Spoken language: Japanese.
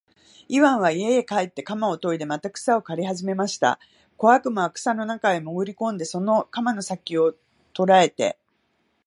イワンは家へ帰って鎌をといでまた草を刈りはじめました。小悪魔は草の中へもぐり込んで、その鎌の先きを捉えて、